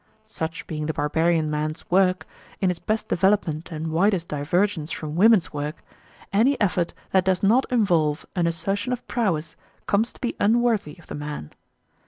Such being the barbarian man's work, in its best development and widest divergence from women's work, any effort that does not involve an assertion of prowess comes to be unworthy of the man.